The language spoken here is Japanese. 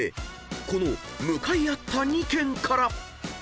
［この向かい合った２軒から］